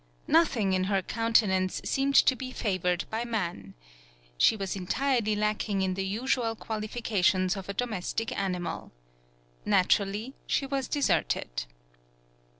Nothing in her counte nance seemed to be favored by man. She was entirely lacking in the usual qualifications of a domestic animal. Naturally she was deserted.